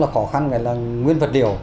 khó khăn là nguyên vật liệu